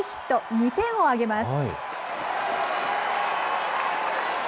２点を挙げます。